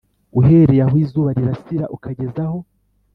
Uhereye aho izuba rirasira ukageza aho